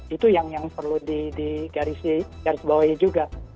itu yang perlu digarisbawahi juga